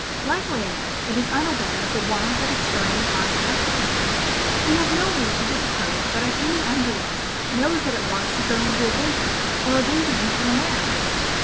Likely enough it is unaware of the want that is spurring it on to action. We have no reason to suppose that a human embryo knows that it wants to grow into a baby, or a baby into a man.